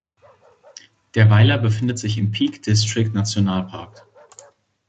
Der Weiler befindet sich im Peak District National Park.